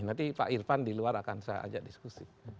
nanti pak irfan di luar akan saya ajak diskusi